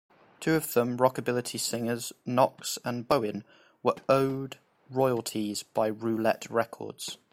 Two of them, rockabilly singers Knox and Bowen, were owed royalties by Roulette Records.